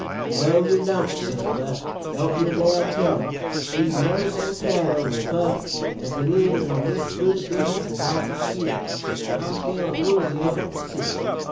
"'No, yer don't,' says Buck. 'Don't yer dare tell him. He's nervous as a cat over the pup as it is, an' this spook business is awful skeery; I'm feelin' woozy over it meself.